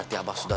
kamu enggan juga